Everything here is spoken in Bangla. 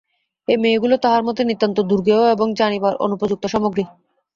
এই মেয়েগুলা তাঁহার মতে, নিতান্ত দুর্জ্ঞেয় ও জানিবার অনুপযুক্ত সামগ্রী।